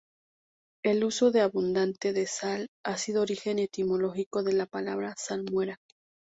El uso de abundante de sal ha sido origen etimológico de la palabra salmuera.